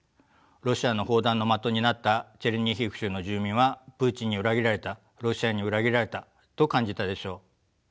ロシアの砲弾の的になったチェルニヒウ州の住民はプーチンに裏切られたロシアに裏切られたと感じたでしょう。